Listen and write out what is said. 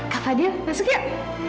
kak fadil masuk yuk